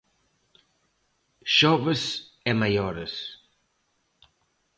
Xoves e maiores.